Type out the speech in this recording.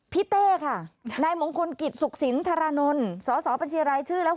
เต้ค่ะนายมงคลกิจสุขสินธารานนท์สอสอบัญชีรายชื่อแล้ว